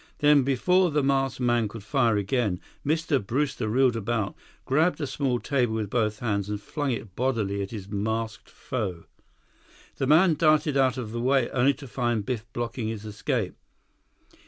Then, before the masked man could fire again, Mr. Brewster wheeled about, grabbed a small table with both hands, and flung it bodily at his masked foe. The man darted out of the way, only to find Biff blocking his escape.